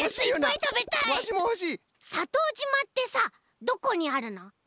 さとうじまってさどこにあるの？